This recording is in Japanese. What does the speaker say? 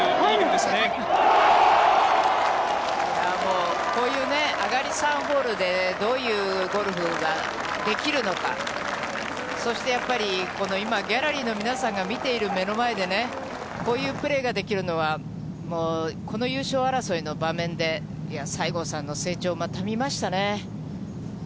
これはもう、こういうね、上がり３ホールで、どういうゴルフができるのか、そしてやっぱり、この今、ギャラリーの皆さんが見ている目の前で、こういうプレーができるのは、もう、この優勝争いの場面で、いや、西郷さんの成長、また見ましたね。